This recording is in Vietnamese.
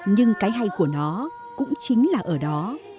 nhưng cái hay của nó cũng chính là ở đó